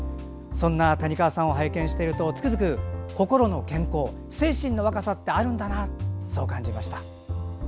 そんな谷川さんを拝見するとつくづく心の健康精神の若さってあるんだなと感じました。